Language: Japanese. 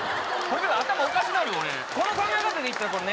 頭おかしなるで。